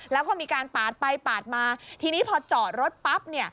แล้วก็มีการปาดไปปาดมาทีนี้พอจอดรถปั๊บเนี่ย